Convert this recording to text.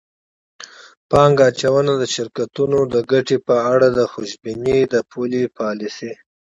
پانګه اچوونکو د شرکتونو د ګټې په اړه خوشبیني د پولي پالیسۍ